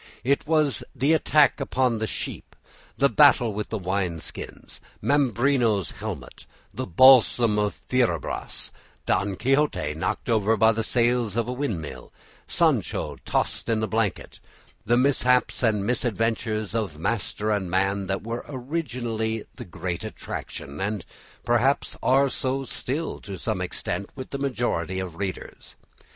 It was the attack upon the sheep, the battle with the wine skins, Mambrino's helmet, the balsam of Fierabras, Don Quixote knocked over by the sails of the windmill, Sancho tossed in the blanket, the mishaps and misadventures of master and man, that were originally the great attraction, and perhaps are so still to some extent with the majority of readers.